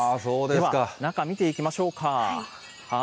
では、中、見ていきましょうか。